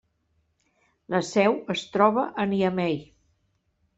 La seu es troba a Niamey.